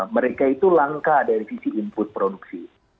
mereka itu langka dari sisi input produksi